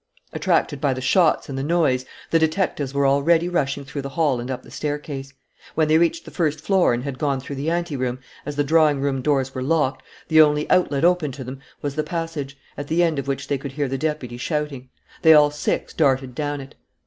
Attracted by the shots and the noise, the detectives were already rushing through the hall and up the staircase. When they reached the first floor and had gone through the anteroom, as the drawing room doors were locked, the only outlet open to them was the passage, at the end of which they could hear the deputy shouting. They all six darted down it.